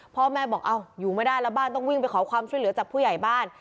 พ่อแม่บอกอยู่ไม่ได้แล้วบ้านต้องวิ่งไปขอความช่วยเหลือจากผู้ใหญ่บ้าน